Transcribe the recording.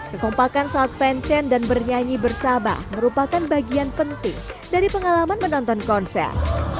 kekompakan saat fansion dan bernyanyi bersama merupakan bagian penting dari pengalaman menonton konser